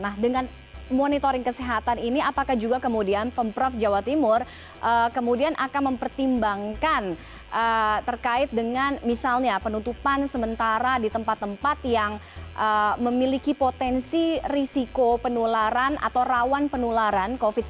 nah dengan monitoring kesehatan ini apakah juga kemudian pemprov jawa timur kemudian akan mempertimbangkan terkait dengan misalnya penutupan sementara di tempat tempat yang memiliki potensi risiko penularan atau rawan penularan covid sembilan belas